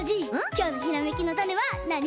きょうのひらめきのタネはなに？